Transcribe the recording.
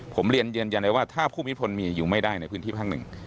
ผมเรียนยืนยันเลยว่าถ้าผู้มีพลมีอยู่ไม่ได้ในพื้นที่ภาคหนึ่ง